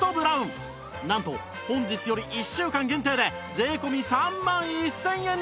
なんと本日より１週間限定で税込３万１０００円に